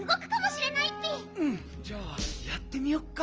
うんじゃあやってみよっか。